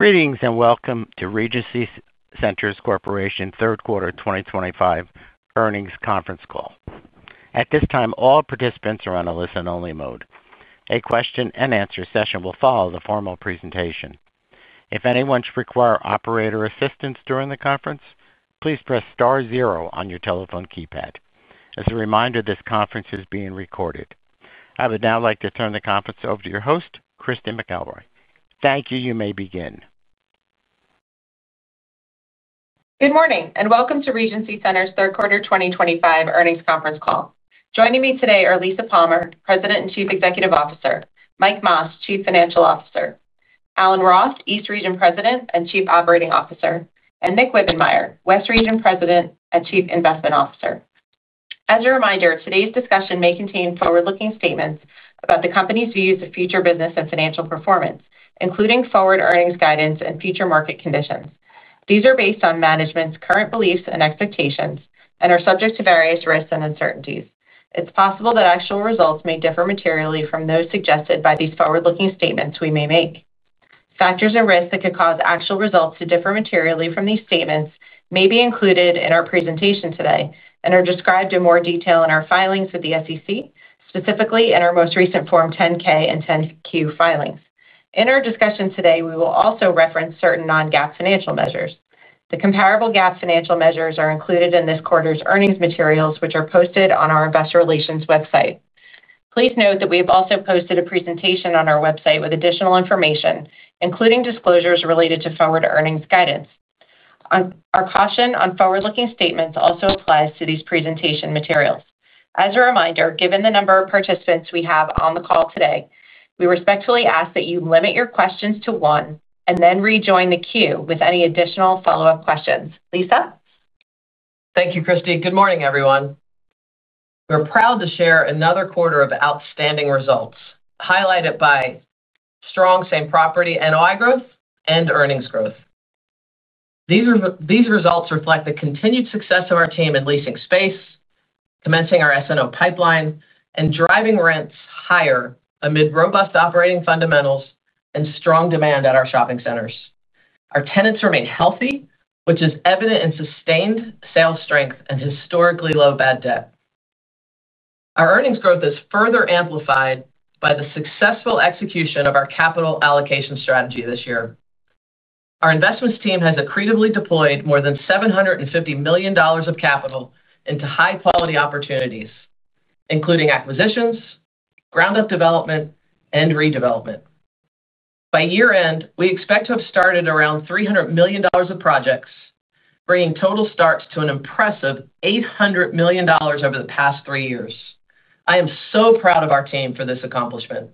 Greetings and welcome to Regency Centers Corporation third quarter 2025 earnings conference call. At this time, all participants are on a listen-only mode. A question and answer session will follow the formal presentation. If anyone should require operator assistance during the conference, please press star zero on your telephone keypad. As a reminder, this conference is being recorded. I would now like to turn the conference over to your host, Christy McElroy. Thank you. You may begin. Good morning and welcome to Regency Centers' third quarter 2025 earnings conference call. Joining me today are Lisa Palmer, President and Chief Executive Officer, Mike Mas, Chief Financial Officer, Alan Roth, East Region President and Chief Operating Officer, and Nick Wibbenmeyer, West Region President and Chief Investment Officer. As a reminder, today's discussion may contain forward-looking statements about the company's views of future business and financial performance, including forward earnings guidance and future market conditions. These are based on management's current beliefs and expectations and are subject to various risks and uncertainties. It's possible that actual results may differ materially from those suggested by these forward-looking statements we may make. Factors and risks that could cause actual results to differ materially from these statements may be included in our presentation today and are described in more detail in our filings with the SEC, specifically in our most recent Form 10-K and 10-Q filings. In our discussion today, we will also reference certain non-GAAP financial measures. The comparable GAAP financial measures are included in this quarter's earnings materials, which are posted on our Investor Relations website. Please note that we have also posted a presentation on our website with additional information, including disclosures related to forward earnings guidance. Our caution on forward-looking statements also applies to these presentation materials. As a reminder, given the number of participants we have on the call today, we respectfully ask that you limit your questions to one and then rejoin the queue with any additional follow-up questions. Lisa. Thank you, Christy. Good morning, everyone. We're proud to share another quarter of outstanding results highlighted by strong same-property NOI growth and earnings growth. These results reflect the continued success of our team in leasing space, commencing our SNO pipeline, and driving rents higher amid robust operating fundamentals and strong demand at our shopping centers. Our tenants remain healthy, which is evident in sustained sales strength and historically low bad debt. Our earnings growth is further amplified by the successful execution of our capital allocation strategy this year. Our investments team has accretively deployed more than $750 million of capital into high-quality opportunities, including acquisitions, ground-up development, and redevelopment. By year-end, we expect to have started around $300 million of projects, bringing total starts to an impressive $800 million over the past three years. I am so proud of our team for this accomplishment.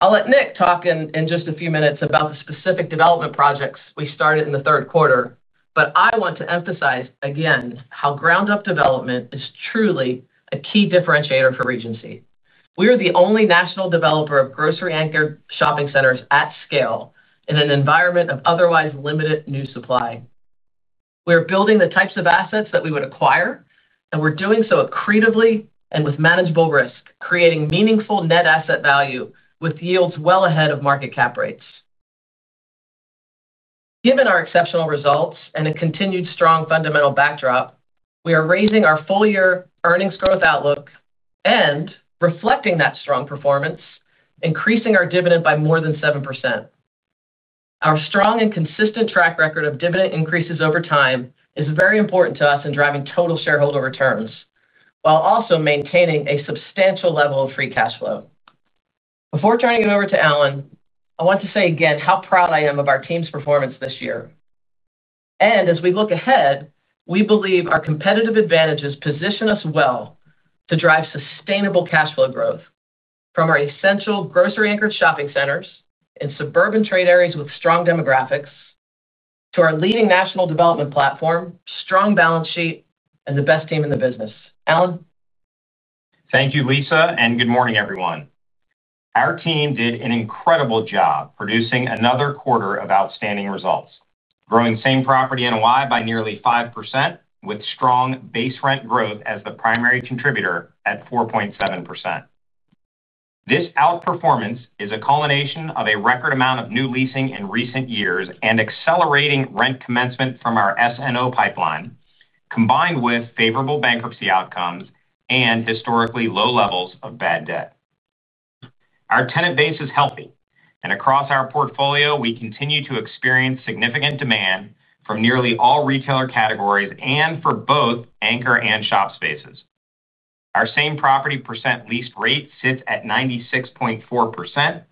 I'll let Nick talk in just a few minutes about the specific development projects we started in the third quarter, but I want to emphasize again how ground-up development is truly a key differentiator for Regency. We are the only national developer of grocery-anchored shopping centers at scale in an environment of otherwise limited new supply. We are building the types of assets that we would acquire, and we're doing so accretively and with manageable risk, creating meaningful net asset value with yields well ahead of market cap rates. Given our exceptional results and a continued strong fundamental backdrop, we are raising our full-year earnings growth outlook and reflecting that strong performance, increasing our dividend by more than 7%. Our strong and consistent track record of dividend increases over time is very important to us in driving total shareholder returns while also maintaining a substantial level of free cash flow. Before turning it over to Alan, I want to say again how proud I am of our team's performance this year. As we look ahead, we believe our competitive advantages position us well to drive sustainable cash flow growth from our essential grocery-anchored shopping centers in suburban trade areas with strong demographics to our leading national development platform, strong balance sheet, and the best team in the business. Alan. Thank you, Lisa, and good morning, everyone. Our team did an incredible job producing another quarter of outstanding results, growing same-property NOI by nearly 5%, with strong base rent growth as the primary contributor at 4.7%. This outperformance is a culmination of a record amount of new leasing in recent years and accelerating rent commencement from our SNO pipeline, combined with favorable bankruptcy outcomes and historically low levels of bad debt. Our tenant base is healthy, and across our portfolio, we continue to experience significant demand from nearly all retailer categories and for both anchor and shop spaces. Our same-property percent lease rate sits at 96.4%,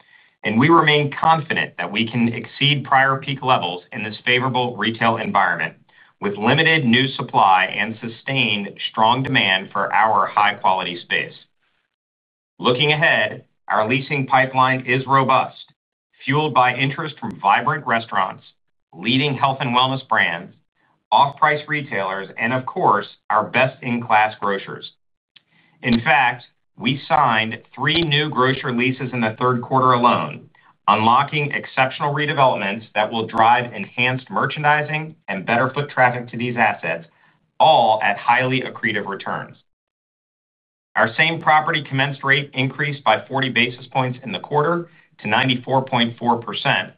and we remain confident that we can exceed prior peak levels in this favorable retail environment, with limited new supply and sustained strong demand for our high-quality space. Looking ahead, our leasing pipeline is robust, fueled by interest from vibrant restaurants, leading health and wellness brands, off-price retailers, and of course, our best-in-class grocers. In fact, we signed three new grocer leases in the third quarter alone, unlocking exceptional redevelopments that will drive enhanced merchandising and better foot traffic to these assets, all at highly accretive returns. Our same-property commenced rate increased by 40 basis points in the quarter to 94.4%,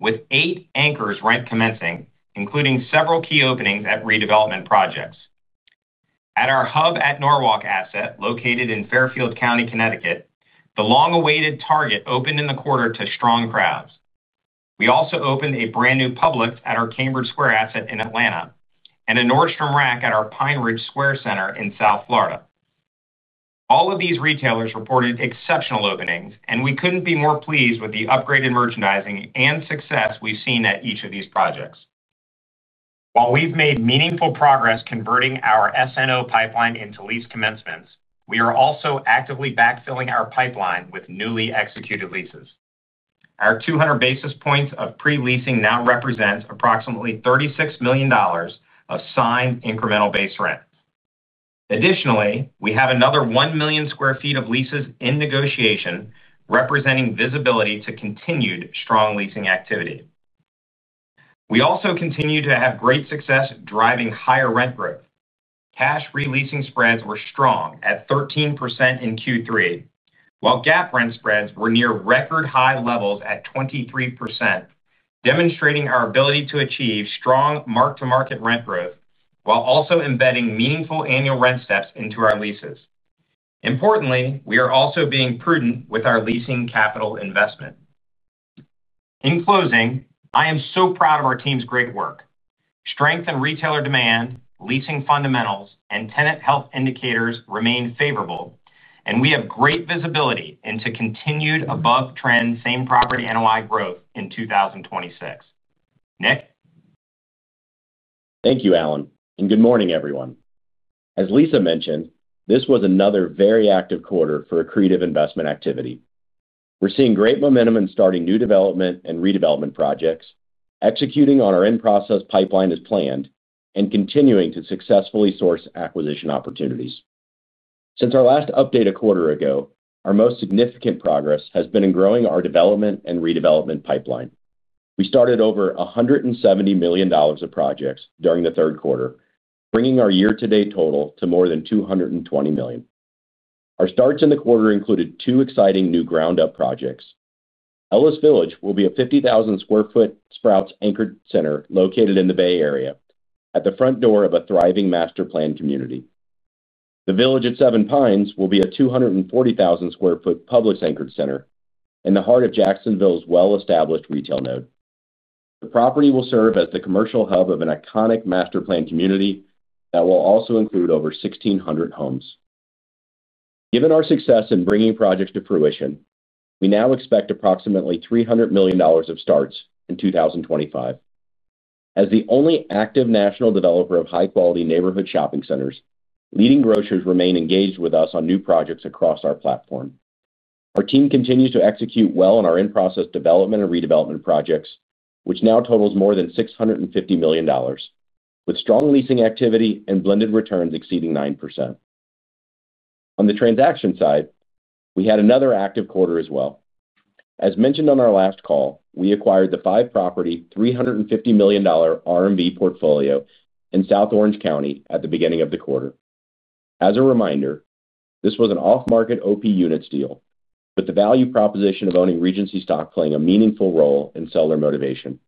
with eight anchors rent commencing, including several key openings at redevelopment projects. At our Hub at Norwalk asset, located in Fairfield County, Connecticut, the long-awaited Target opened in the quarter to strong crowds. We also opened a brand new Publix at our Cambridge Square asset in Atlanta and a Nordstrom Rack at our Pine Ridge Square Center in South Florida. All of these retailers reported exceptional openings, and we couldn't be more pleased with the upgraded merchandising and success we've seen at each of these projects. While we've made meaningful progress converting our SNO pipeline into lease commencements, we are also actively backfilling our pipeline with newly executed leases. Our 200 basis points of pre-leasing now represent approximately $36 million of signed incremental base rent. Additionally, we have another 1 million sq ft of leases in negotiation, representing visibility to continued strong leasing activity. We also continue to have great success driving higher rent growth. Cash-free leasing spreads were strong at 13% in Q3, while gap rent spreads were near record high levels at 23%, demonstrating our ability to achieve strong mark-to-market rent growth while also embedding meaningful annual rent steps into our leases. Importantly, we are also being prudent with our leasing capital investment. In closing, I am so proud of our team's great work. Strength in retailer demand, leasing fundamentals, and tenant health indicators remain favorable, and we have great visibility into continued above-trend same-property NOI growth in 2026. Nick? Thank you, Alan, and good morning, everyone. As Lisa mentioned, this was another very active quarter for accretive investment activity. We're seeing great momentum in starting new development and redevelopment projects, executing on our in-process pipeline as planned, and continuing to successfully source acquisition opportunities. Since our last update a quarter ago, our most significant progress has been in growing our development and redevelopment pipeline. We started over $170 million of projects during the third quarter, bringing our year-to-date total to more than $220 million. Our starts in the quarter included two exciting new ground-up projects. Ellis Village will be a 50,000 sq ft Sprouts-anchored center located in the Bay Area at the front door of a thriving master-planned community. The Village at Seven Pines will be a 240,000 sq ft Publix-anchored center in the heart of Jacksonville's well-established retail node. The property will serve as the commercial hub of an iconic master-planned community that will also include over 1,600 homes. Given our success in bringing projects to fruition, we now expect approximately $300 million of starts in 2025. As the only active national developer of high-quality neighborhood shopping centers, leading grocers remain engaged with us on new projects across our platform. Our team continues to execute well on our in-process development and redevelopment projects, which now total more than $650 million, with strong leasing activity and blended returns exceeding 9%. On the transaction side, we had another active quarter as well. As mentioned on our last call, we acquired the five-property $350 million RMV portfolio in South Orange County at the beginning of the quarter. As a reminder, this was an off-market OP units deal, with the value proposition of owning Regency stock playing a meaningful role in seller motivation.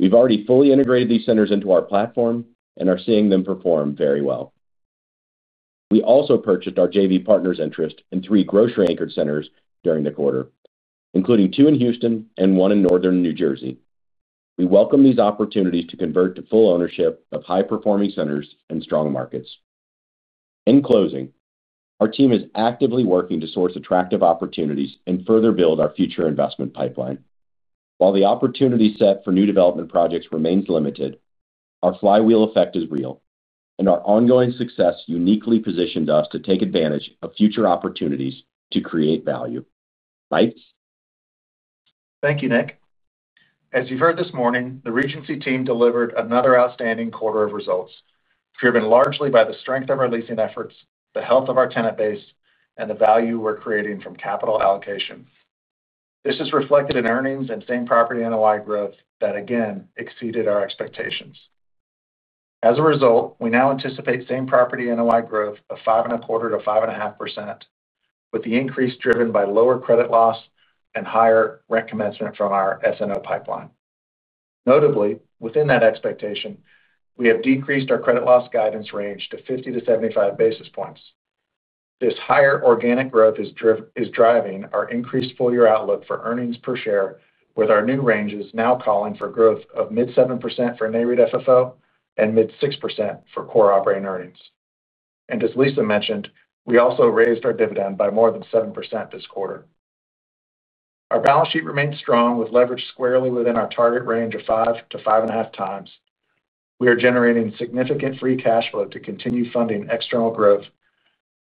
We've already fully integrated these centers into our platform and are seeing them perform very well. We also purchased our JV partners' interest in three grocery-anchored centers during the quarter, including two in Houston and one in Northern New Jersey. We welcome these opportunities to convert to full ownership of high-performing centers and strong markets. In closing, our team is actively working to source attractive opportunities and further build our future investment pipeline. While the opportunity set for new development projects remains limited, our flywheel effect is real, and our ongoing success uniquely positioned us to take advantage of future opportunities to create value. Mike? Thank you, Nick. As you've heard this morning, the Regency team delivered another outstanding quarter of results, driven largely by the strength of our leasing efforts, the health of our tenant base, and the value we're creating from capital allocation. This is reflected in earnings and same-property NOI growth that again exceeded our expectations. As a result, we now anticipate same-property NOI growth of 5.25%-5.5%, with the increase driven by lower credit loss and higher rent commencement from our SNO pipeline. Notably, within that expectation, we have decreased our credit loss guidance range to 50-75 basis points. This higher organic growth is driving our increased full-year outlook for earnings per share, with our new ranges now calling for growth of mid-7% for NAREIT FFO and mid-6% for core operating earnings. As Lisa mentioned, we also raised our dividend by more than 7% this quarter. Our balance sheet remains strong, with leverage squarely within our target range of 5x-5.5x. We are generating significant free cash flow to continue funding external growth,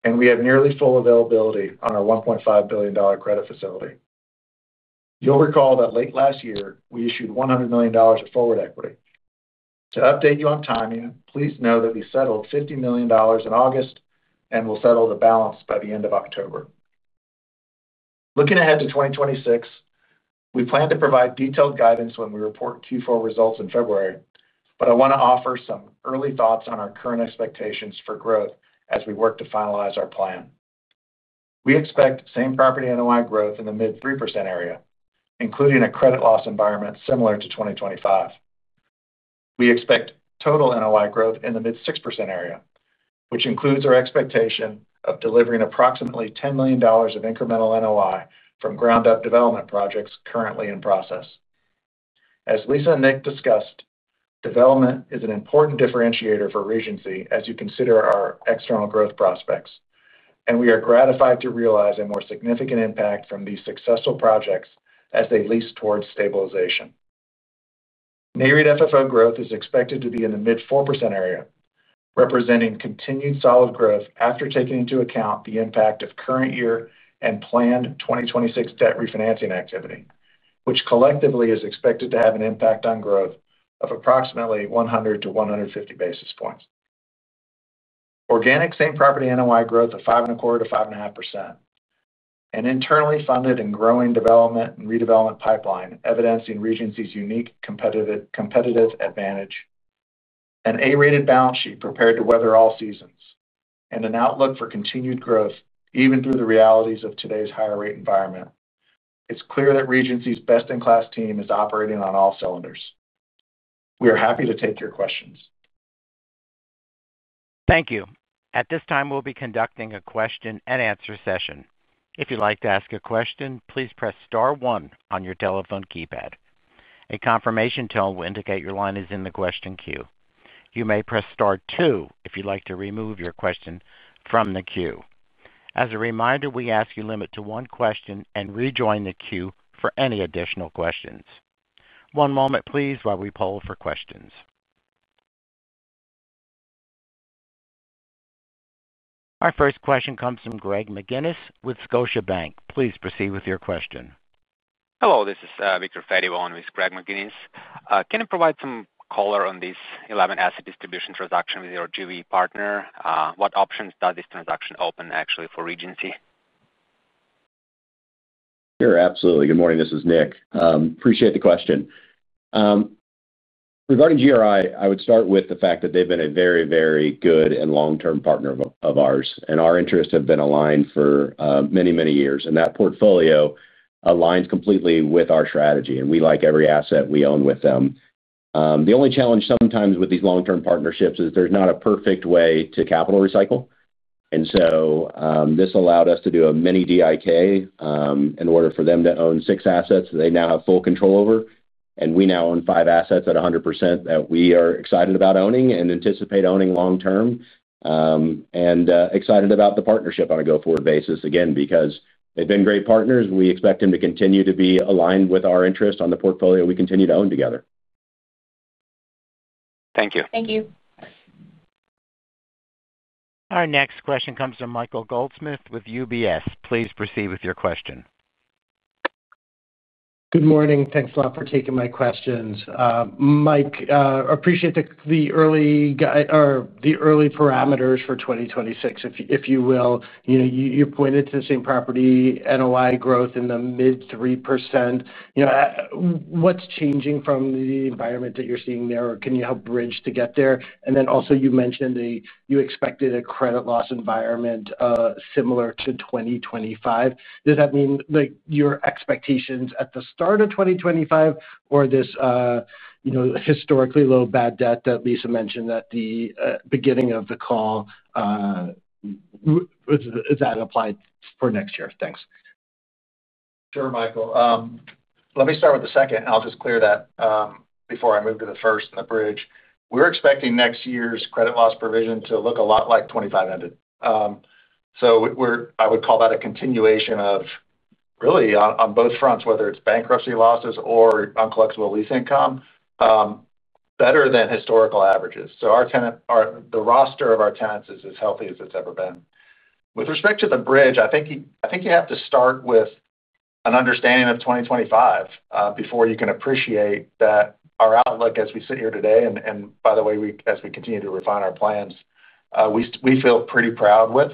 and we have nearly full availability on our $1.5 billion credit facility. You'll recall that late last year, we issued $100 million of forward equity. To update you on timing, please know that we settled $50 million in August and will settle the balance by the end of October. Looking ahead to 2026, we plan to provide detailed guidance when we report Q4 results in February, but I want to offer some early thoughts on our current expectations for growth as we work to finalize our plan. We expect same-property NOI growth in the mid-3% area, including a credit loss environment similar to 2025. We expect total NOI growth in the mid-6% area, which includes our expectation of delivering approximately $10 million of incremental NOI from ground-up development projects currently in process. As Lisa and Nick discussed, development is an important differentiator for Regency as you consider our external growth prospects, and we are gratified to realize a more significant impact from these successful projects as they lease towards stabilization. NAREIT FFO growth is expected to be in the mid-4% area, representing continued solid growth after taking into account the impact of current year and planned 2026 debt refinancing activity, which collectively is expected to have an impact on growth of approximately 100-150 basis points. Organic same-property NOI growth of 5.25%-5.5%, an internally funded and growing development and redevelopment pipeline evidencing Regency's unique competitive advantage, an A-rated balance sheet prepared to weather all seasons, and an outlook for continued growth even through the realities of today's higher rate environment. It's clear that Regency's best-in-class team is operating on all cylinders. We are happy to take your questions. Thank you. At this time, we'll be conducting a question and answer session. If you'd like to ask a question, please press star one on your telephone keypad. A confirmation tone will indicate your line is in the question queue. You may press star two if you'd like to remove your question from the queue. As a reminder, we ask you to limit to one question and rejoin the queue for any additional questions. One moment, please, while we poll for questions. Our first question comes from Greg McGinniss with Scotiabank. Please proceed with your question. Hello, this is Viktor Fediv on with Greg McGinniss. Can you provide some color on this 11 asset distribution transaction with your JV partner? What options does this transaction open actually for Regency? Sure, absolutely. Good morning, this is Nick. Appreciate the question. Regarding GRI, I would start with the fact that they've been a very, very good and long-term partner of ours, and our interests have been aligned for many, many years, and that portfolio aligns completely with our strategy, and we like every asset we own with them. The only challenge sometimes with these long-term partnerships is there's not a perfect way to capital recycle, and this allowed us to do a mini DIK in order for them to own six assets that they now have full control over, and we now own five assets at 100% that we are excited about owning and anticipate owning long-term, and excited about the partnership on a go-forward basis again because they've been great partners. We expect them to continue to be aligned with our interest on the portfolio we continue to own together. Thank you. Thank you. Our next question comes from Michael Goldsmith with UBS. Please proceed with your question. Good morning. Thanks a lot for taking my questions. Mike, I appreciate the early parameters for 2026, if you will. You pointed to the same-property NOI growth in the mid-3%. What's changing from the environment that you're seeing there, or can you help bridge to get there? You mentioned you expected a credit loss environment similar to 2025. Does that mean your expectations at the start of 2025 or this historically low bad debt that Lisa mentioned at the beginning of the call? Is that applied for next year? Thanks. Sure, Michael. Let me start with the second, and I'll just clear that before I move to the first and the bridge. We're expecting next year's credit loss provision to look a lot like 2025 ended. I would call that a continuation of really on both fronts, whether it's bankruptcy losses or uncollectible lease income, better than historical averages. The roster of our tenants is as healthy as it's ever been. With respect to the bridge, you have to start with an understanding of 2025 before you can appreciate that our outlook as we sit here today, and by the way, as we continue to refine our plans, we feel pretty proud with.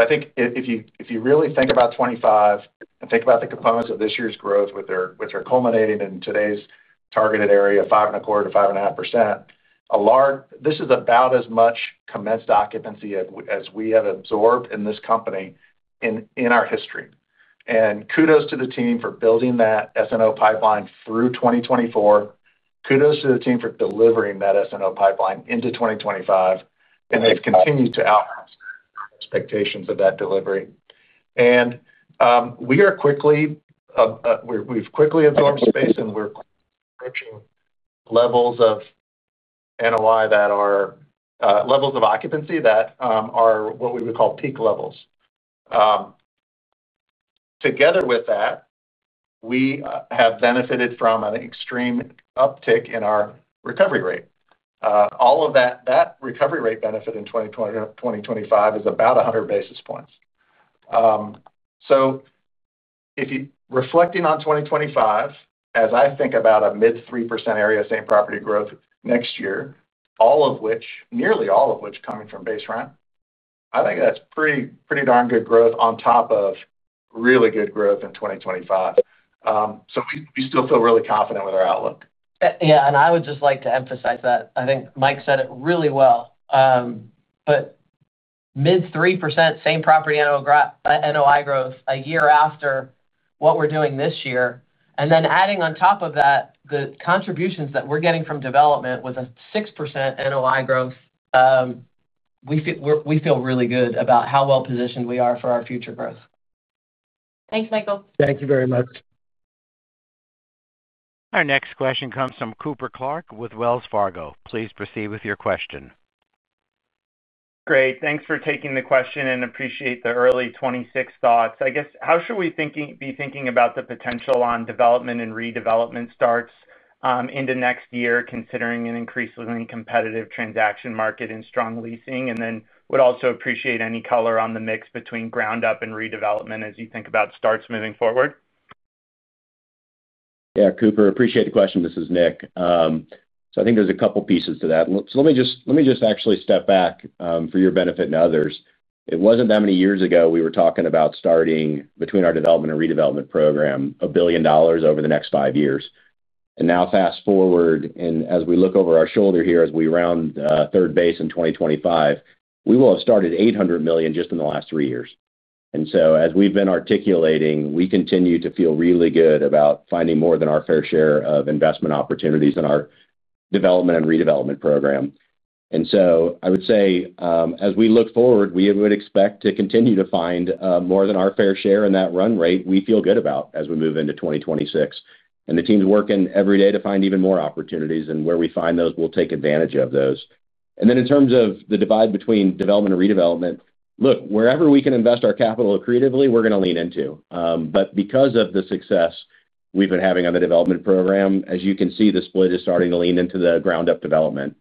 If you really think about 2025 and think about the components of this year's growth, which are culminating in today's targeted area of 5.25%-5.5%, this is about as much commenced occupancy as we have absorbed in this company in our history. Kudos to the team for building that SNO pipeline through 2024. Kudos to the team for delivering that SNO pipeline into 2025, and they've continued to outlast expectations of that delivery. We've quickly absorbed space, and we're approaching levels of NOI that are levels of occupancy that are what we would call peak levels. Together with that, we have benefited from an extreme uptick in our recovery rate. All of that recovery rate benefit in 2025 is about 100 basis points. If you're reflecting on 2025, as I think about a mid-3% area of same-property growth next year, all of which, nearly all of which, coming from base rent, I think that's pretty darn good growth on top of really good growth in 2025. We still feel really confident with our outlook. Yeah, I would just like to emphasize that I think Mike said it really well. Mid-3% same-property NOI growth a year after what we're doing this year, and then adding on top of that the contributions that we're getting from development with a 6% NOI growth, we feel really good about how well-positioned we are for our future growth. Thanks, Michael. Thank you very much. Our next question comes from Cooper Clark with Wells Fargo. Please proceed with your question. Great. Thanks for taking the question and appreciate the early 2026 thoughts. I guess, how should we be thinking about the potential on development and redevelopment starts into next year, considering an increasingly competitive transaction market and strong leasing? I would also appreciate any color on the mix between ground-up and redevelopment as you think about starts moving forward. Yeah, Cooper, I appreciate the question. This is Nick. I think there's a couple of pieces to that. Let me just actually step back for your benefit and others. It wasn't that many years ago we were talking about starting between our development and redevelopment program $1 billion over the next five years. Now fast forward, and as we look over our shoulder here as we round third base in 2025, we will have started $800 million just in the last three years. As we've been articulating, we continue to feel really good about finding more than our fair share of investment opportunities in our development and redevelopment program. I would say as we look forward, we would expect to continue to find more than our fair share in that run rate we feel good about as we move into 2026. The team's working every day to find even more opportunities, and where we find those, we'll take advantage of those. In terms of the divide between development and redevelopment, look, wherever we can invest our capital accretively, we're going to lean into. Because of the success we've been having on the development program, as you can see, the split is starting to lean into the ground-up development.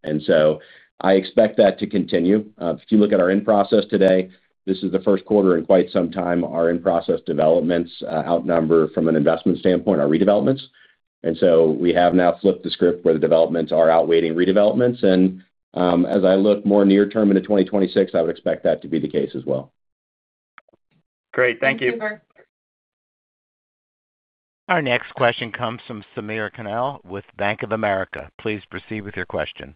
I expect that to continue. If you look at our in-process today, this is the first quarter in quite some time our in-process developments outnumber from an investment standpoint our redevelopments. We have now flipped the script where the developments are outweighing redevelopments. As I look more near-term into 2026, I would expect that to be the case as well. Great, thank you. Our next question comes from Samir Khanal with Bank of America. Please proceed with your question.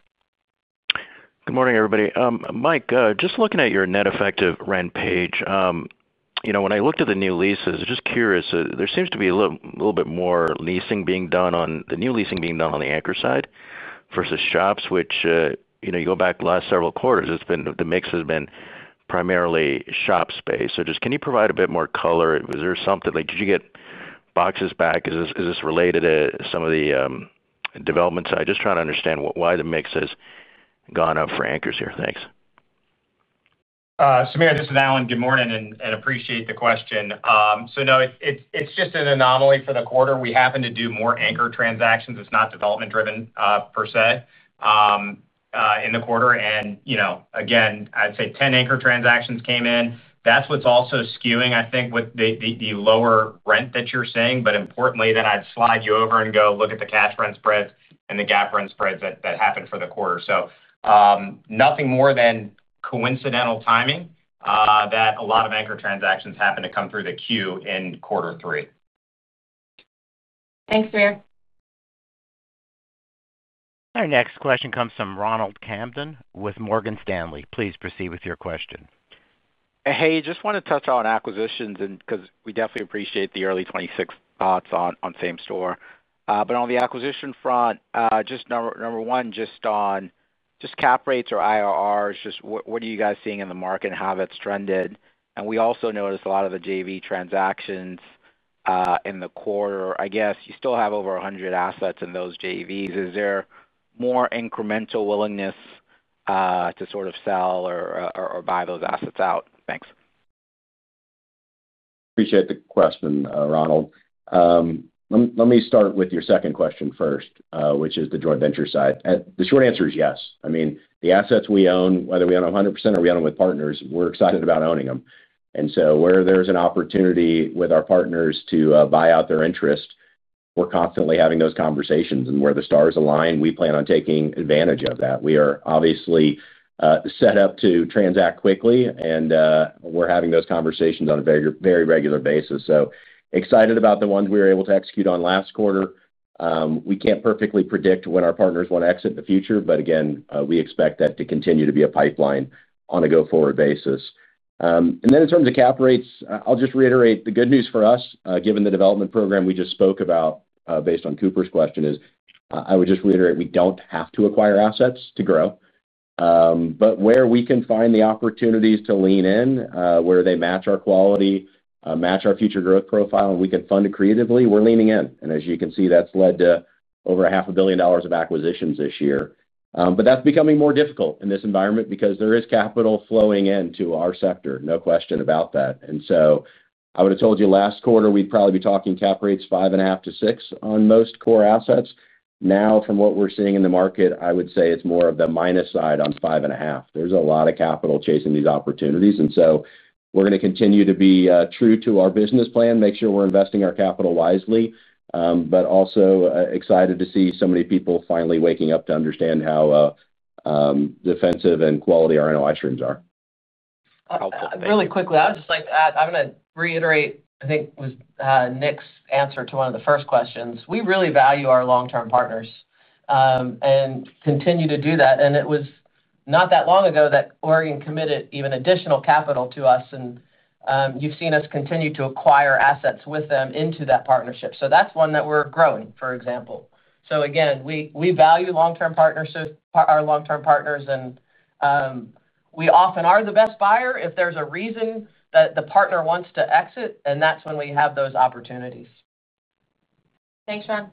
Good morning, everybody. Mike, just looking at your net effective rent page, when I looked at the new leases, I was just curious, there seems to be a little bit more leasing being done on the new leasing being done on the anchor side versus shops, which, you go back the last several quarters, the mix has been primarily shop space. Can you provide a bit more color? Is there something like did you get boxes back? Is this related to some of the development side? Just trying to understand why the mix has gone up for anchors here. Thanks. Samir, this is Alan. Good morning and appreciate the question. No, it's just an anomaly for the quarter. We happen to do more anchor transactions. It's not development-driven per se in the quarter. I'd say 10 anchor transactions came in. That's what's also skewing, I think, with the lower rent that you're seeing. Importantly, I'd slide you over and go look at the cash rent spreads and the gap rent spreads that happened for the quarter. Nothing more than coincidental timing that a lot of anchor transactions happened to come through the queue in quarter three. Thanks, Samir. Our next question comes from Ronald Kamdem with Morgan Stanley. Please proceed with your question. Hey, just want to touch on acquisitions because we definitely appreciate the early 2026 thoughts on same store. On the acquisition front, just number one, on cap rates or IRRs, what are you guys seeing in the market and how that's trended? We also noticed a lot of the JV transactions in the quarter. I guess you still have over 100 assets in those JVs. Is there more incremental willingness to sort of sell or buy those assets out? Thanks. Appreciate the question, Ronald. Let me start with your second question first, which is the joint venture side. The short answer is yes. I mean, the assets we own, whether we own them 100% or we own them with partners, we're excited about owning them. Where there's an opportunity with our partners to buy out their interest, we're constantly having those conversations. Where the stars align, we plan on taking advantage of that. We are obviously set up to transact quickly, and we're having those conversations on a very regular basis. Excited about the ones we were able to execute on last quarter. We can't perfectly predict when our partners want to exit in the future, but again, we expect that to continue to be a pipeline on a go-forward basis. In terms of cap rates, I'll just reiterate the good news for us, given the development program we just spoke about, based on Cooper's question, is I would just reiterate we don't have to acquire assets to grow. Where we can find the opportunities to lean in, where they match our quality, match our future growth profile, and we can fund accretively, we're leaning in. As you can see, that's led to over $500 million of acquisitions this year. That's becoming more difficult in this environment because there is capital flowing into our sector, no question about that. I would have told you last quarter we'd probably be talking cap rates 5.5%-6% on most core assets. Now, from what we're seeing in the market, I would say it's more of the minus side on 5.5%. There's a lot of capital chasing these opportunities. We're going to continue to be true to our business plan, make sure we're investing our capital wisely, but also excited to see so many people finally waking up to understand how defensive and quality our NOI streams are. Really quickly, I would just like to add, I'm going to reiterate, I think it was Nick's answer to one of the first questions. We really value our long-term partners and continue to do that. It was not that long ago that Oregon committed even additional capital to us, and you've seen us continue to acquire assets with them into that partnership. That's one that we're growing, for example. We value long-term partners and we often are the best buyer if there's a reason that the partner wants to exit, and that's when we have those opportunities. Thanks, Ron.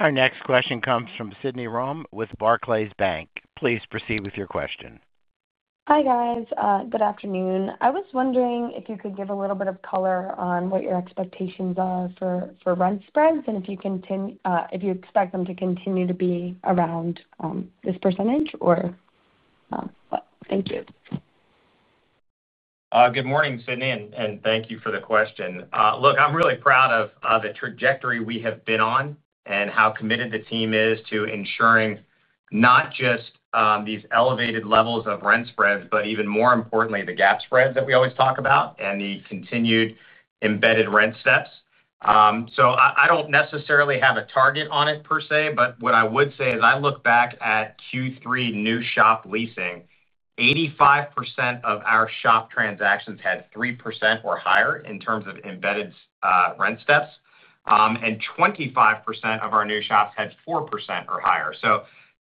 Our next question comes from Sydney Rome with Barclays Bank. Please proceed with your question. Hi, guys. Good afternoon. I was wondering if you could give a little bit of color on what your expectations are for rent spreads and if you expect them to continue to be around this percentage or what? Thank you. Good morning, Sydney, and thank you for the question. Look, I'm really proud of the trajectory we have been on and how committed the team is to ensuring not just these elevated levels of rent spreads, but even more importantly, the gap spreads that we always talk about and the continued embedded rent steps. I don't necessarily have a target on it per se, but what I would say is I look back at Q3 new shop leasing, 85% of our shop transactions had 3% or higher in terms of embedded rent steps, and 25% of our new shops had 4% or higher.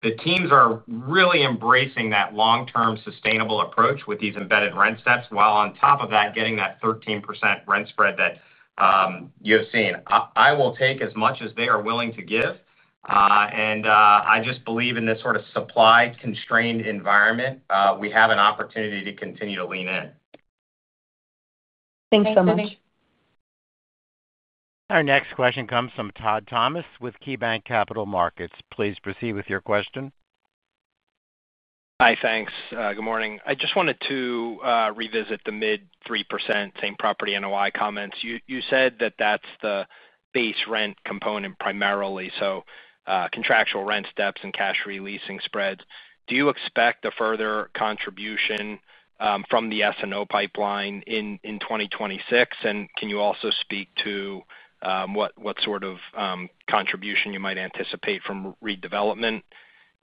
The teams are really embracing that long-term sustainable approach with these embedded rent steps, while on top of that, getting that 13% rent spread that you've seen. I will take as much as they are willing to give, and I just believe in this sort of supply-constrained environment, we have an opportunity to continue to lean in. Thanks so much. Our next question comes from Todd Thomas with KeyBanc Capital Markets. Please proceed with your question. Hi, thanks. Good morning. I just wanted to revisit the mid-3% same-property NOI comments. You said that that's the base rent component primarily, so contractual rent steps and cash releasing spreads. Do you expect a further contribution from the SNO pipeline in 2026? Can you also speak to what sort of contribution you might anticipate from redevelopment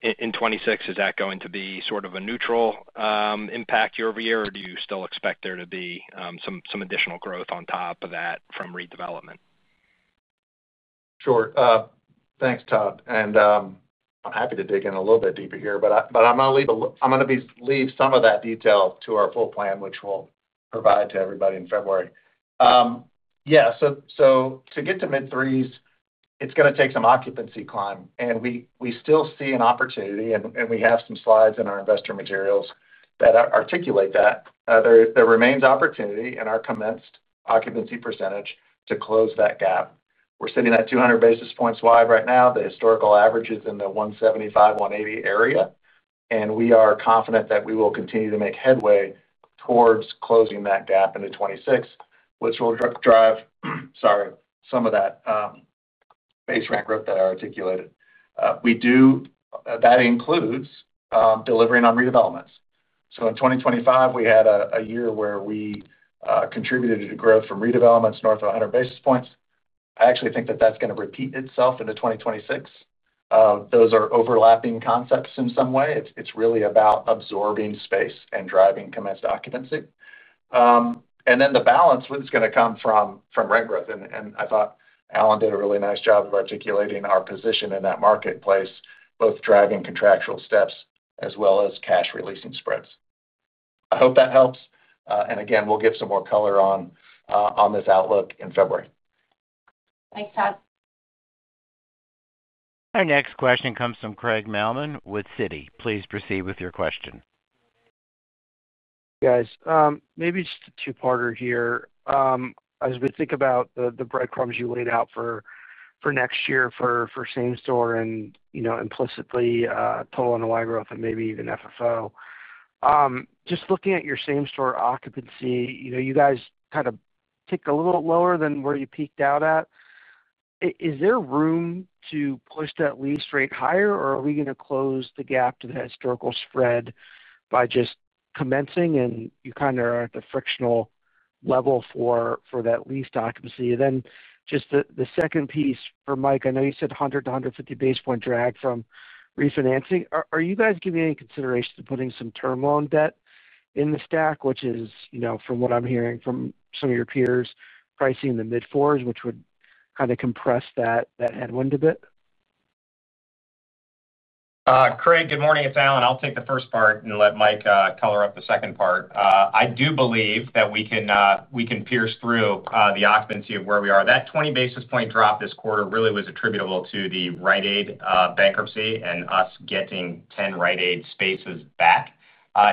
in 2026? Is that going to be sort of a neutral impact year-over-year, or do you still expect there to be some additional growth on top of that from redevelopment? Sure. Thanks, Todd. I'm happy to dig in a little bit deeper here, but I'm going to leave some of that detail to our full plan, which we'll provide to everybody in February. To get to mid-3s, it's going to take some occupancy climb, and we still see an opportunity, and we have some slides in our investor materials that articulate that. There remains opportunity in our commenced occupancy percentage to close that gap. We're sitting at 200 basis points wide right now. The historical average is in the 175-180 area, and we are confident that we will continue to make headway towards closing that gap into 2026, which will drive, sorry, some of that base rent growth that I articulated. That includes delivering on redevelopments. In 2025, we had a year where we contributed to growth from redevelopments north of 100 basis points. I actually think that that's going to repeat itself into 2026. Those are overlapping concepts in some way. It's really about absorbing space and driving commenced occupancy. The balance is going to come from rent growth. I thought Alan did a really nice job of articulating our position in that marketplace, both driving contractual steps as well as cash releasing spreads. I hope that helps. We'll give some more color on this outlook in February. Thanks, Todd. Our next question comes from Craig Mailman with Citi. Please proceed with your question. Guys, maybe just a two-parter here. As we think about the breadcrumbs you laid out for next year for same store and, you know, implicitly total NOI growth and maybe even FFO, just looking at your same store occupancy, you know, you guys kind of ticked a little lower than where you peaked out at. Is there room to push that lease rate higher, or are we going to close the gap to the historical spread by just commencing? You kind of are at the frictional level for that lease occupancy. The second piece for Mike, I know you said 100-150 basis point drag from refinancing. Are you guys giving any consideration to putting some term loan debt in the stack, which is, you know, from what I'm hearing from some of your peers, pricing in the mid-4s, which would kind of compress that headwind a bit? Craig, good morning. It's Alan. I'll take the first part and let Mike color up the second part. I do believe that we can pierce through the occupancy of where we are. That 20 basis point drop this quarter really was attributable to the Rite Aid bankruptcy and us getting 10 Rite Aid spaces back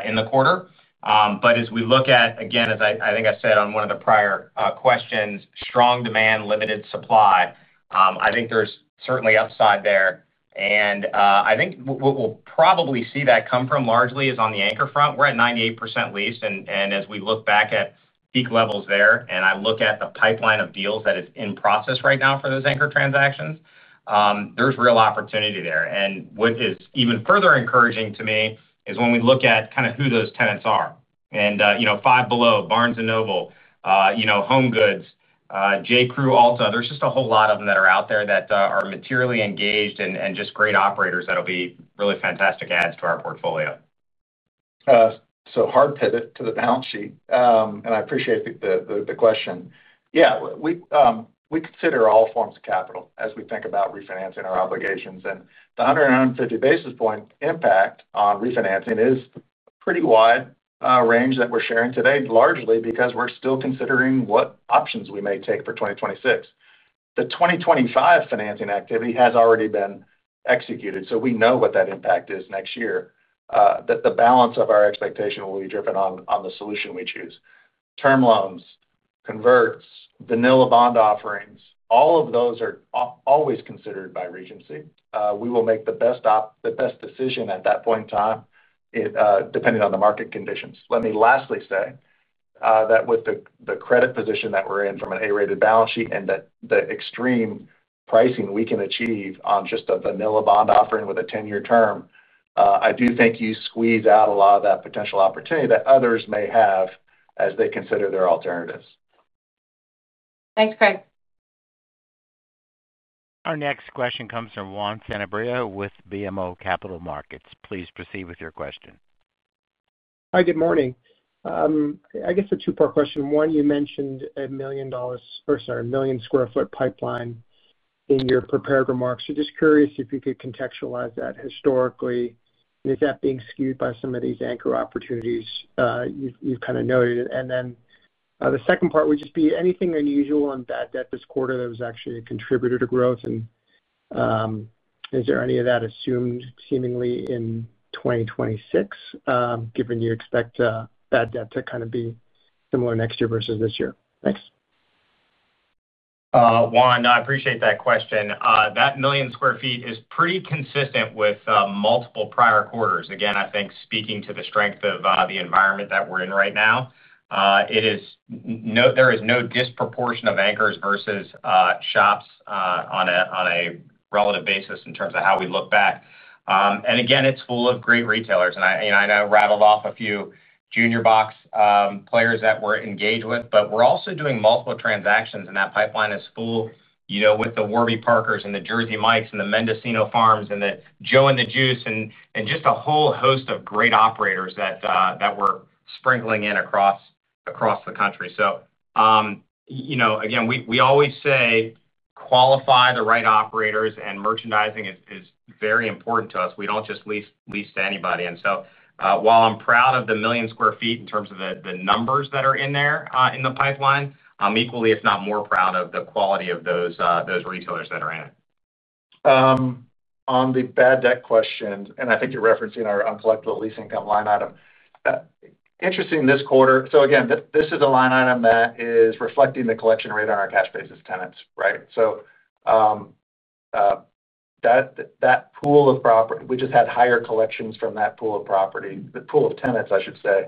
in the quarter. As we look at, again, as I think I said on one of the prior questions, strong demand, limited supply, I think there's certainly upside there. I think what we'll probably see that come from largely is on the anchor front. We're at 98% lease. As we look back at peak levels there, and I look at the pipeline of deals that is in process right now for those anchor transactions, there's real opportunity there. What is even further encouraging to me is when we look at kind of who those tenants are. Five Below, Barnes & Noble, HomeGoods, J.Crew, Ulta, there's just a whole lot of them that are out there that are materially engaged and just great operators that'll be really fantastic adds to our portfolio. Hard pivot to the balance sheet, and I appreciate the question. Yeah, we consider all forms of capital as we think about refinancing our obligations. The 100 and 150 basis point impact on refinancing is a pretty wide range that we're sharing today, largely because we're still considering what options we may take for 2026. The 2025 financing activity has already been executed, so we know what that impact is next year, that the balance of our expectation will be driven on the solution we choose. Term loans, converts, vanilla bond offerings, all of those are always considered by Regency. We will make the best decision at that point in time, depending on the market conditions. Let me lastly say that with the credit position that we're in from an A-rated balance sheet and the extreme pricing we can achieve on just a vanilla bond offering with a 10-year term, I do think you squeeze out a lot of that potential opportunity that others may have as they consider their alternatives. Thanks, Craig. Our next question comes from Juan Sanabria with BMO Capital Markets. Please proceed with your question. Hi, good morning. I guess a two-part question. One, you mentioned a million sq ft pipeline in your prepared remarks. Just curious if you could contextualize that historically, and is that being skewed by some of these anchor opportunities you've kind of noted? The second part would just be anything unusual on bad debt this quarter that was actually a contributor to growth, and is there any of that assumed seemingly in 2026, given you expect bad debt to kind of be similar next year versus this year? Thanks. Juan, I appreciate that question. That million square feet is pretty consistent with multiple prior quarters. I think speaking to the strength of the environment that we're in right now, there is no disproportion of anchors versus shops on a relative basis in terms of how we look back. It's full of great retailers. I know I rattled off a few junior box players that we're engaged with, but we're also doing multiple transactions, and that pipeline is full with the Warby Parkers and the Jersey Mike's and the Mendocino Farms and the Joe & The Juice and just a whole host of great operators that we're sprinkling in across the country. We always say qualify the right operators, and merchandising is very important to us. We don't just lease to anybody. While I'm proud of the million square feet in terms of the numbers that are in there in the pipeline, I'm equally, if not more, proud of the quality of those retailers that are in it. On the bad debt question, and I think you're referencing our uncollectible lease income line item, interesting this quarter. This is a line item that is reflecting the collection rate on our cash basis tenants, right? That pool of property, we just had higher collections from that pool of property, the pool of tenants, I should say,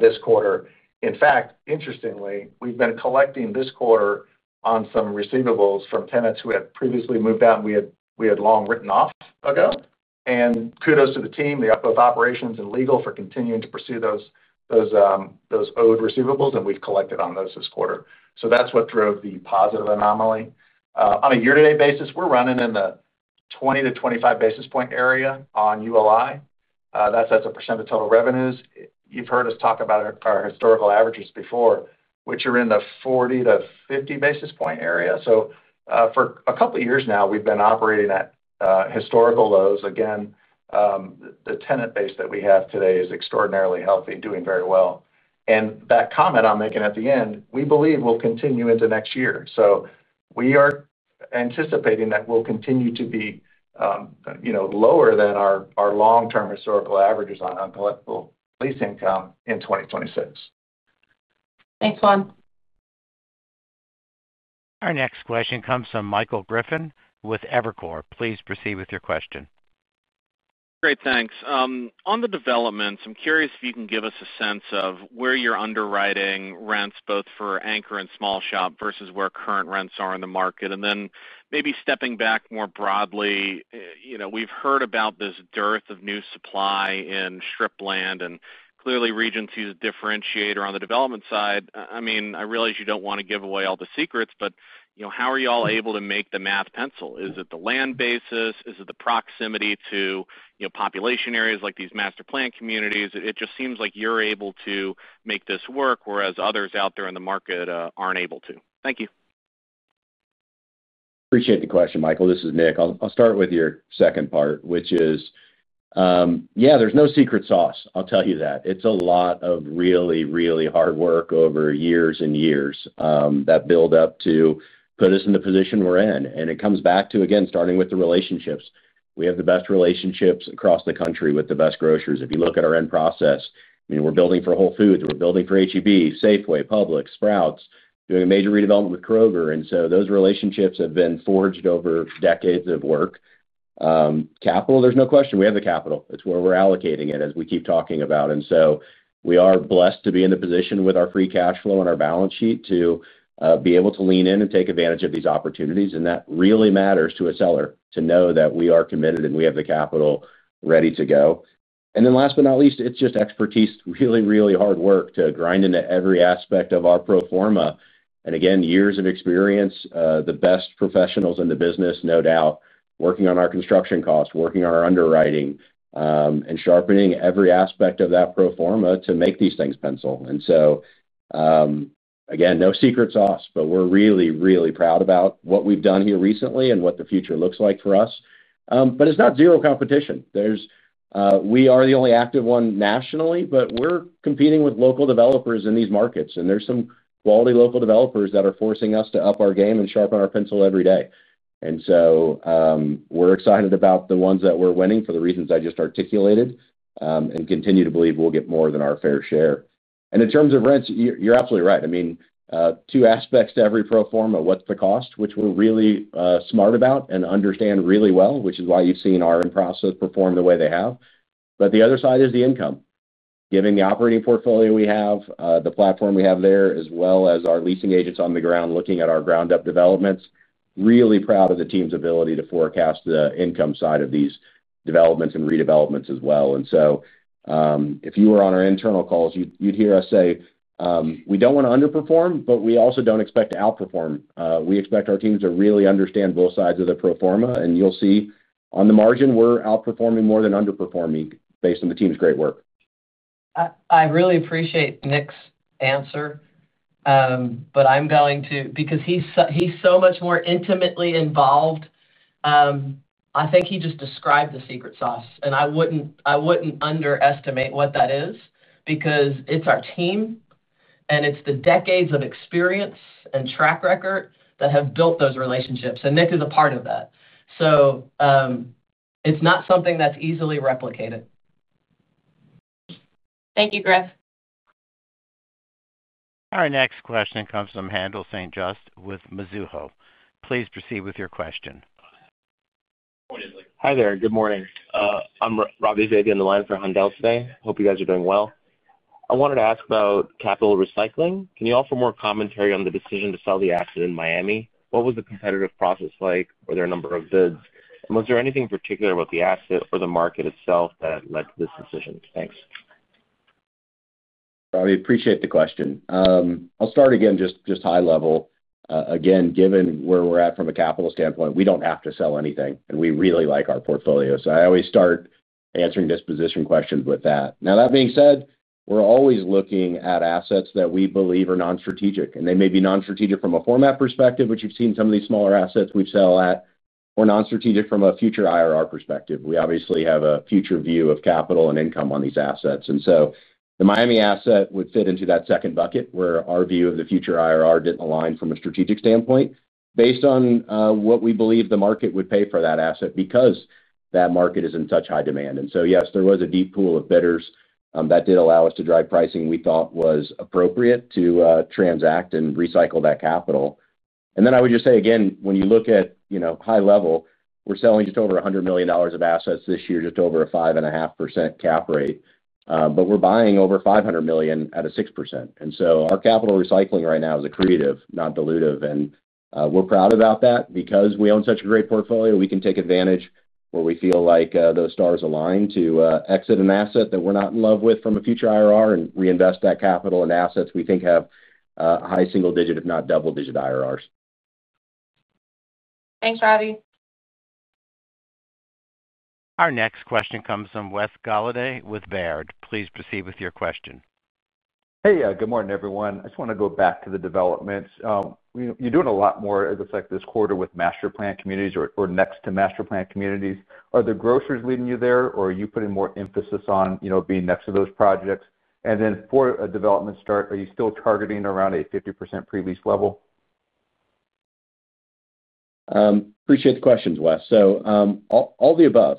this quarter. In fact, interestingly, we've been collecting this quarter on some receivables from tenants who had previously moved out and we had long written off ago. Kudos to the team, both operations and legal, for continuing to pursue those owed receivables, and we've collected on those this quarter. That's what drove the positive anomaly. On a year-to-date basis, we're running in the 20-25 basis point area on ULI. That's a percentage of total revenues. You've heard us talk about our historical averages before, which are in the 40, that 50 basis point area. For a couple of years now, we've been operating at historical lows. The tenant base that we have today is extraordinarily healthy, doing very well. That comment I'm making at the end, we believe we'll continue into next year. We are anticipating that we'll continue to be lower than our long-term historical averages on uncollectible lease income in 2026. Thanks, Juan. Our next question comes from Michael Griffin with Evercore. Please proceed with your question. Great, thanks. On the developments, I'm curious if you can give us a sense of where you're underwriting rents both for anchor and small shop versus where current rents are in the market. Then maybe stepping back more broadly, you know, we've heard about this dearth of new supply in strip land, and clearly Regency is a differentiator on the development side. I realize you don't want to give away all the secrets, but you know, how are you all able to make the math pencil? Is it the land basis? Is it the proximity to, you know, population areas like these master plan communities? It just seems like you're able to make this work, whereas others out there in the market aren't able to. Thank you. Appreciate the question, Michael. This is Nick. I'll start with your second part, which is, yeah, there's no secret sauce. I'll tell you that. It's a lot of really, really hard work over years and years that build up to put us in the position we're in. It comes back to, again, starting with the relationships. We have the best relationships across the country with the best grocers. If you look at our end process, I mean, we're building for Whole Foods, we're building for H-E-B, Safeway, Publix, Sprouts, doing a major redevelopment with Kroger. Those relationships have been forged over decades of work. Capital, there's no question. We have the capital. It's where we're allocating it as we keep talking about. We are blessed to be in the position with our free cash flow and our balance sheet to be able to lean in and take advantage of these opportunities. That really matters to a seller to know that we are committed and we have the capital ready to go. Last but not least, it's just expertise, really, really hard work to grind into every aspect of our pro forma. Again, years of experience, the best professionals in the business, no doubt, working on our construction costs, working on our underwriting, and sharpening every aspect of that pro forma to make these things pencil. Again, no secret sauce, but we're really, really proud about what we've done here recently and what the future looks like for us. It's not zero competition. We are the only active one nationally, but we're competing with local developers in these markets. There are some quality local developers that are forcing us to up our game and sharpen our pencil every day. We're excited about the ones that we're winning for the reasons I just articulated and continue to believe we'll get more than our fair share. In terms of rents, you're absolutely right. I mean, two aspects to every pro forma. What's the cost, which we're really smart about and understand really well, which is why you've seen our end process perform the way they have. The other side is the income. Given the operating portfolio we have, the platform we have there, as well as our leasing agents on the ground looking at our ground-up developments, really proud of the team's ability to forecast the income side of these developments and redevelopments as well. If you were on our internal calls, you'd hear us say we don't want to underperform, but we also don't expect to outperform. We expect our teams to really understand both sides of the pro forma. You'll see on the margin, we're outperforming more than underperforming based on the team's great work. I really appreciate Nick's answer, because he's so much more intimately involved. I think he just described the secret sauce. I wouldn't underestimate what that is because it's our team, and it's the decades of experience and track record that have built those relationships. Nick is a part of that. It's not something that's easily replicated. Thank you, Griff. Our next question comes from Haendel St. Juste with Mizuho. Please proceed with your question. Hi there. Good morning. I'm Ravi Vaidya on the line for Haendel today. Hope you guys are doing well. I wanted to ask about capital recycling. Can you offer more commentary on the decision to sell the asset in Miami? What was the competitive process like? Were there a number of bids? Was there anything particular about the asset or the market itself that led to this decision? Thanks. Ravi, I appreciate the question. I'll start again just high level. Given where we're at from a capital standpoint, we don't have to sell anything, and we really like our portfolio. I always start answering disposition questions with that. That being said, we're always looking at assets that we believe are non-strategic. They may be non-strategic from a format perspective, which you've seen some of these smaller assets we've sold at, or non-strategic from a future IRR perspective. We obviously have a future view of capital and income on these assets. The Miami asset would fit into that second bucket where our view of the future IRR didn't align from a strategic standpoint based on what we believe the market would pay for that asset because that market is in such high demand. Yes, there was a deep pool of bidders that did allow us to drive pricing we thought was appropriate to transact and recycle that capital. When you look at high level, we're selling just over $100 million of assets this year, just over a 5.5% cap rate, but we're buying over $500 million at a 6%. Our capital recycling right now is accretive, not dilutive. We're proud about that because we own such a great portfolio, we can take advantage where we feel like those stars align to exit an asset that we're not in love with from a future IRR and reinvest that capital in assets we think have high single-digit, if not double-digit IRRs. Thanks, Ravi. Our next question comes from Wes Golladay with Baird. Please proceed with your question. Hey, good morning, everyone. I just want to go back to the developments. You're doing a lot more as a sec this quarter with master plan communities or next to master plan communities. Are the grocers leading you there, or are you putting more emphasis on being next to those projects? For a development start, are you still targeting around a 50% pre-lease level? Appreciate the questions, Wes. All the above.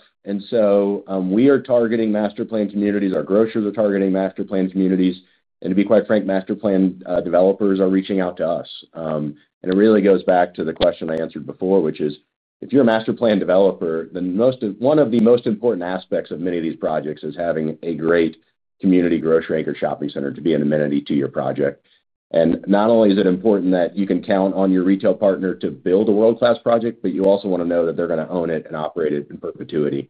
We are targeting master plan communities. Our grocers are targeting master plan communities. To be quite frank, master plan developers are reaching out to us. It really goes back to the question I answered before, which is if you're a master plan developer, then one of the most important aspects of many of these projects is having a great community grocery anchor shopping center to be an amenity to your project. Not only is it important that you can count on your retail partner to build a world-class project, but you also want to know that they're going to own it and operate it in perpetuity.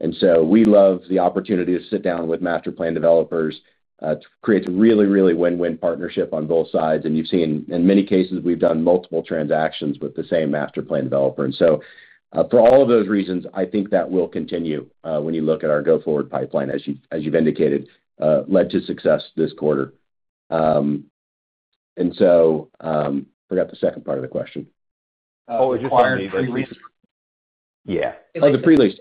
We love the opportunity to sit down with master plan developers to create a really, really win-win partnership on both sides. You've seen, in many cases, we've done multiple transactions with the same master plan developer. For all of those reasons, I think that will continue when you look at our go-forward pipeline, as you've indicated, led to success this quarter. I forgot the second part of the question. Oh, it was just the pre-lease. Yeah. Oh, the pre-lease.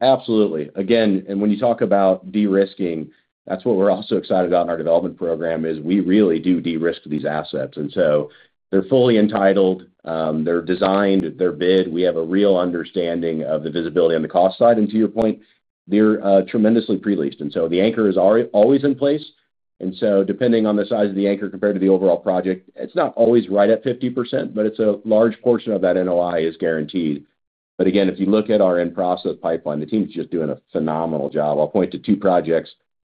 Absolutely. Again, when you talk about de-risking, that's what we're also excited about in our development program because we really do de-risk these assets. They're fully entitled, they're designed, they're bid, we have a real understanding of the visibility on the cost side. To your point, they're tremendously pre-leased, and the anchor is always in place. Depending on the size of the anchor compared to the overall project, it's not always right at 50%, but a large portion of that NOI is guaranteed. If you look at our in-process pipeline, the team's just doing a phenomenal job. I'll point to two projects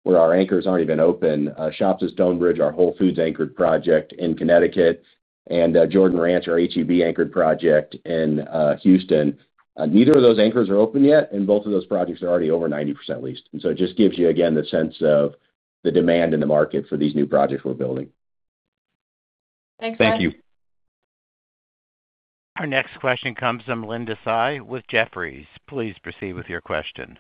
where our anchors aren't even open: Shops at Stonebridge, our Whole Foods-anchored project in Connecticut, and Jordan Ranch, our H-E-B-anchored project in Houston. Neither of those anchors are open yet, and both of those projects are already over 90% leased. It just gives you, again, the sense of the demand in the market for these new projects we're building. Thanks, Wes. Thank you. Our next question comes from Linda Tsai with Jefferies. Please proceed with your question.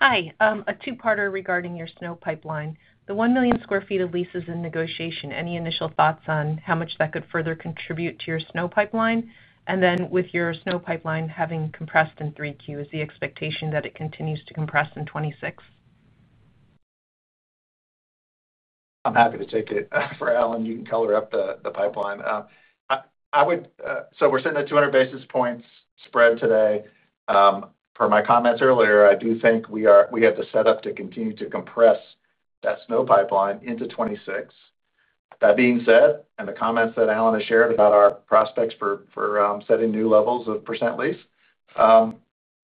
Hi. A two-parter regarding your leasing pipeline. The 1 million sq ft of leases in negotiation, any initial thoughts on how much that could further contribute to your leasing pipeline? With your leasing pipeline having compressed in 3Q, is the expectation that it continues to compress in 2026? I'm happy to take it for Alan. You can color up the pipeline. We're sitting at 200 basis points spread today. From my comments earlier, I do think we have the setup to continue to compress that SNO pipeline into 2026. That being said, and the comments that Alan has shared about our prospects for setting new levels of percent leased,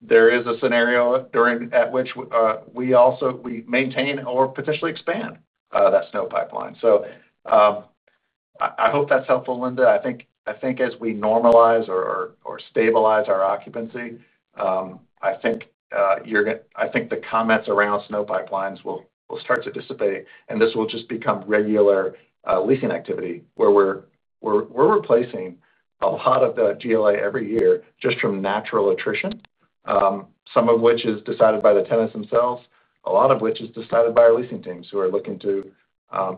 there is a scenario during which we also maintain or potentially expand that SNO pipeline. I hope that's helpful, Linda. I think as we normalize or stabilize our occupancy, the comments around SNO pipelines will start to dissipate, and this will just become regular leasing activity where we're replacing a lot of the GLA every year just from natural attrition, some of which is decided by the tenants themselves, a lot of which is decided by our leasing teams who are looking to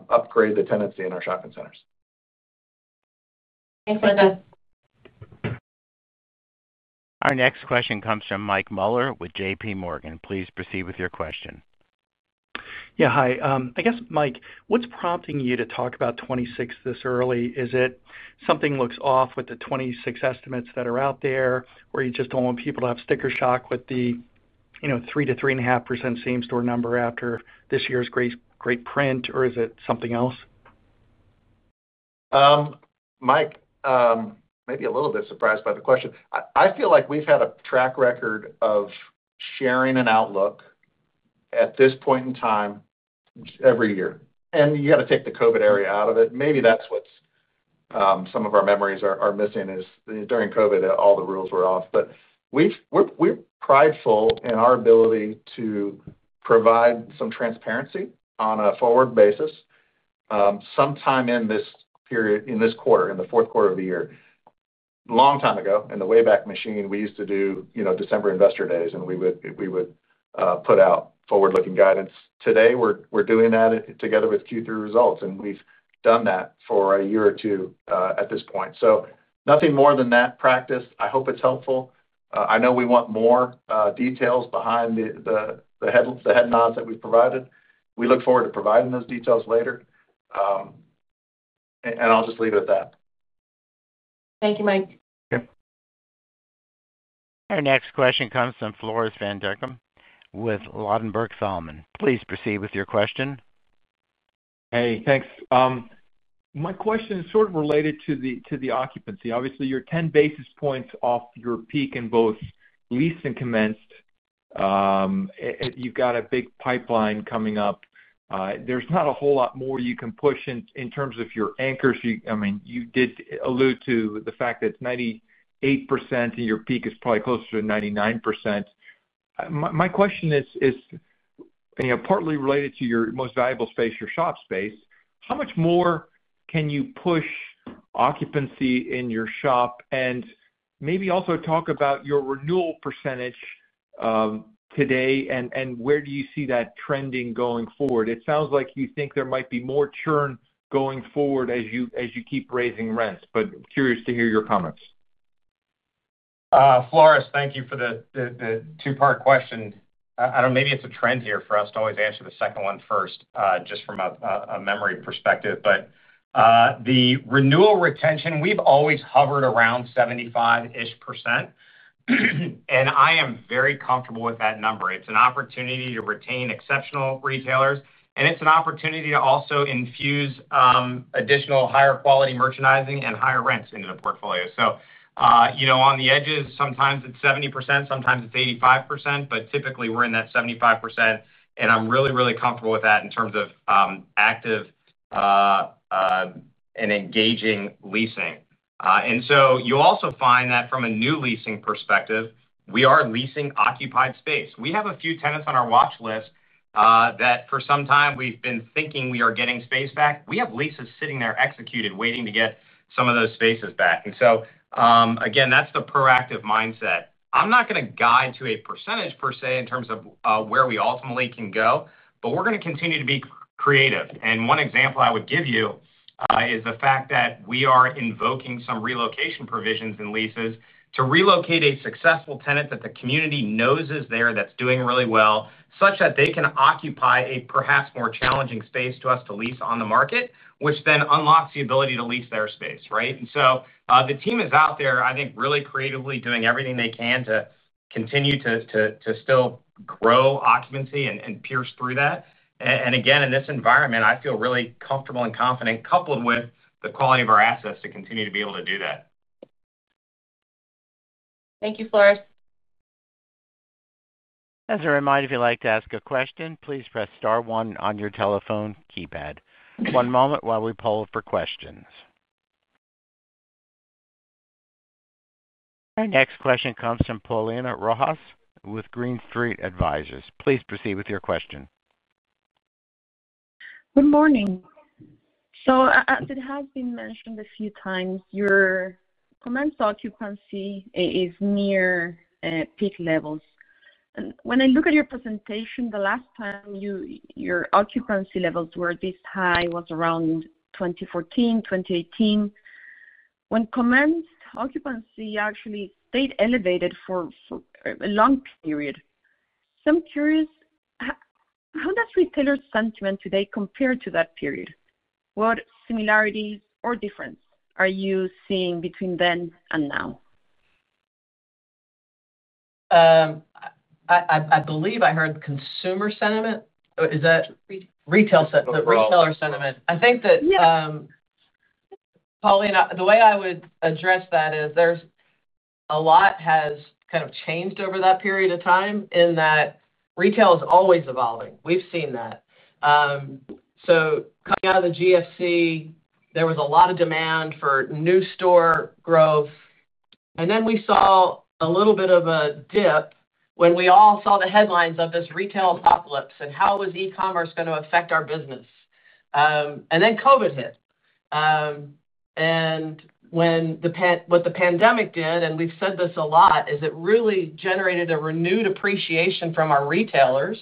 upgrade the tenancy in our shopping centers. Thanks, Linda. Our next question comes from Mike Mueller with JPMorgan. Please proceed with your question. Yeah, hi. I guess, Mike, what's prompting you to talk about 2026 this early? Is it something looks off with the 2026 estimates that are out there, or you just don't want people to have sticker shock with the, you know, 3%-3.5% same-property number after this year's great print, or is it something else? Mike, maybe a little bit surprised by the question. I feel like we've had a track record of sharing an outlook at this point in time every year. You got to take the COVID area out of it. Maybe that's what some of our memories are missing is during COVID, all the rules were off. We're prideful in our ability to provide some transparency on a forward basis sometime in this period, in this quarter, in the fourth quarter of the year. A long time ago, in the way back machine, we used to do December Investor Days, and we would put out forward-looking guidance. Today, we're doing that together with Q3 results, and we've done that for a year or two at this point. Nothing more than that practice. I hope it's helpful. I know we want more details behind the head nods that we've provided. We look forward to providing those details later. I'll just leave it at that. Thank you, Mike. Our next question comes from Floris van Dijkum with Ladenburg Thalmann. Please proceed with your question. Hey, thanks. My question is sort of related to the occupancy. Obviously, you're 10 basis points off your peak in both lease and commenced. You've got a big pipeline coming up. There's not a whole lot more you can push in terms of your anchors. I mean, you did allude to the fact that it's 98% and your peak is probably closer to 99%. My question is, and you know, partly related to your most valuable space, your shop space, how much more can you push occupancy in your shop? Maybe also talk about your renewal percentage today and where do you see that trending going forward? It sounds like you think there might be more churn going forward as you keep raising rents, but I'm curious to hear your comments. Flores, thank you for the two-part question. I don't know, maybe it's a trend here for us to always answer the second one first, just from a memory perspective. The renewal retention, we've always hovered around 75-ish percent and I am very comfortable with that number. It's an opportunity to retain exceptional retailers, and it's an opportunity to also infuse additional higher quality merchandising and higher rents into the portfolio. On the edges, sometimes it's 70%, sometimes it's 85%, but typically we're in that 75% and I'm really, really comfortable with that in terms of active and engaging leasing. You'll also find that from a new leasing perspective, we are leasing occupied space. We have a few tenants on our watch list that for some time we've been thinking we are getting space back. We have leases sitting there executed, waiting to get some of those spaces back. Again, that's the proactive mindset. I'm not going to guide to a percentage per se in terms of where we ultimately can go, but we're going to continue to be creative. One example I would give you is the fact that we are invoking some relocation provisions in leases to relocate a successful tenant that the community knows is there that's doing really well, such that they can occupy a perhaps more challenging space to us to lease on the market, which then unlocks the ability to lease their space, right? The team is out there, I think, really creatively doing everything they can to continue to still grow occupancy and pierce through that. In this environment, I feel really comfortable and confident, coupled with the quality of our assets to continue to be able to do that. Thank you, Flores. As a reminder, if you'd like to ask a question, please press star one on your telephone keypad. One moment while we poll for questions. Our next question comes from Paulina Rojas with Green Street Advisors. Please proceed with your question. Good morning. As it has been mentioned a few times, your commenced occupancy is near peak levels. When I look at your presentation, the last time your occupancy levels were this high was around 2014, 2018, when commenced occupancy actually stayed elevated for a long period. I'm curious, how does retailer sentiment today compare to that period? What similarities or differences are you seeing between then and now? I believe I heard consumer sentiment. Is that retail sentiment? Retailer sentiment. I think that, Paulina, the way I would address that is there's a lot that has kind of changed over that period of time in that retail is always evolving. We've seen that. Coming out of the GFC, there was a lot of demand for new store growth. We saw a little bit of a dip when we all saw the headlines of this retail apocalypse and how was e-commerce going to affect our business? COVID hit. What the pandemic did, and we've said this a lot, is it really generated a renewed appreciation from our retailers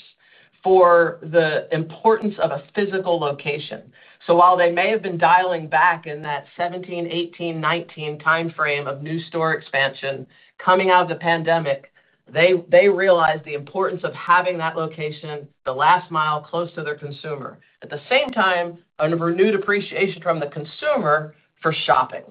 for the importance of a physical location. While they may have been dialing back in that 2017, 2018, 2019 timeframe of new store expansion, coming out of the pandemic, they realized the importance of having that location the last mile close to their consumer. At the same time, a renewed appreciation from the consumer for shopping,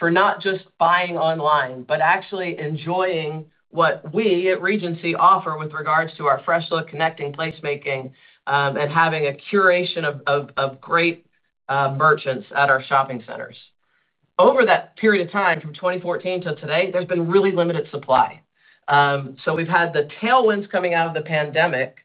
for not just buying online, but actually enjoying what we at Regency offer with regards to our fresh look, connecting placemaking, and having a curation of great merchants at our shopping centers. Over that period of time, from 2014 to today, there's been really limited supply. We've had the tailwinds coming out of the pandemic.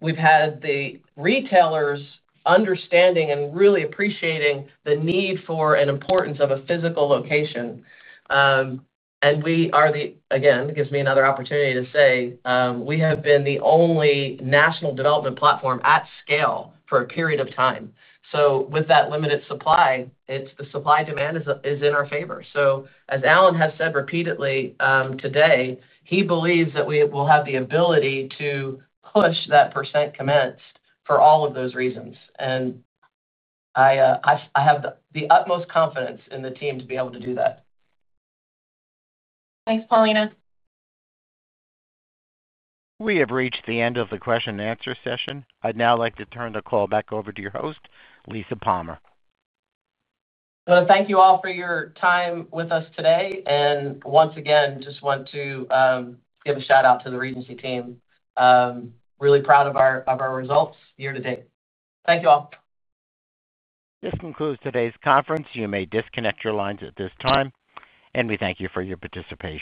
We've had the retailers understanding and really appreciating the need for and importance of a physical location. It gives me another opportunity to say, we have been the only national development platform at scale for a period of time. With that limited supply, the supply demand is in our favor. As Alan has said repeatedly today, he believes that we will have the ability to push that percent commenced for all of those reasons. I have the utmost confidence in the team to be able to do that. Thanks, Paulina. We have reached the end of the question and answer session. I'd now like to turn the call back over to your host, Lisa Palmer. Thank you all for your time with us today. I just want to give a shout out to the Regency team. Really proud of our results year to date. Thank you all. This concludes today's conference. You may disconnect your lines at this time. We thank you for your participation.